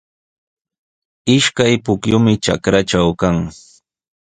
Ishkay pukyumi trakraatraw kan.